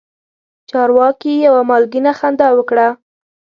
چارواکي یوه مالګینه خندا وکړه.